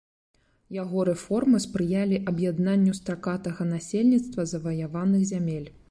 Яго рэформы спрыялі аб'яднанню стракатага насельніцтва заваяваных зямель.